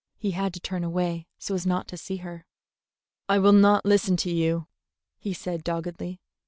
He had to turn away so as not to see her. "I will not listen to you," he said doggedly.